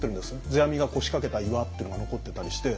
世阿弥が腰掛けた岩っていうのが残ってたりして。